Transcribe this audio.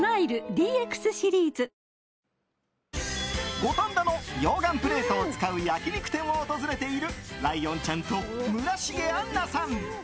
五反田の溶岩プレートを使う焼き肉店を訪れているライオンちゃんと村重杏奈さん。